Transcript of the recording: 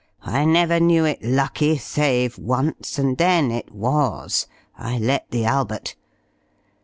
I never knew it lucky save once, and then it was I let the Albert.